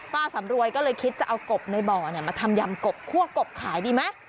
สำรวยก็เลยคิดจะเอากบในบ่อมาทำยำกบคั่วกบขายดีไหม